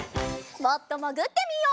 もっともぐってみよう。